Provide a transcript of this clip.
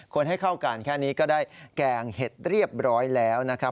ให้เข้ากันแค่นี้ก็ได้แกงเห็ดเรียบร้อยแล้วนะครับ